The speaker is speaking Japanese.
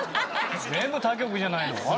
全部他局じゃないの。